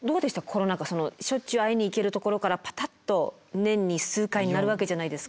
コロナ禍しょっちゅう会いに行けるところからパタッと年に数回になるわけじゃないですか。